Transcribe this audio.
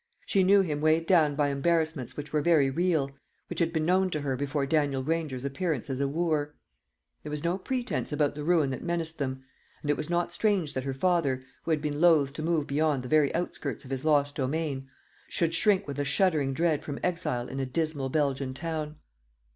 She knew him weighed down by embarrassments which were very real which had been known to her before Daniel Granger's appearance as a wooer. There was no pretence about the ruin that menaced them; and it was not strange that her father, who had been loath to move beyond the very outskirts of his lost domain, should shrink with a shuddering dread from exile in a dismal Belgian town.